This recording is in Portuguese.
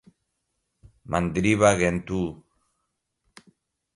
mandriva, gentoo